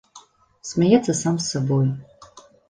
Смяецца сам з сабою.